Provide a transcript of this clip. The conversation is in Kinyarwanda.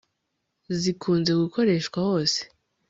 zikunze gukoreshwa hose